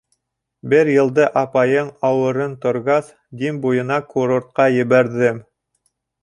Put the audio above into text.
Бер йылды апайың ауырын торгас, Дим буйына курортҡа ебәрҙем.